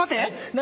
何？